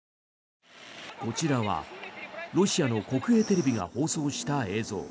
こちらはロシアの国営テレビが放送した映像。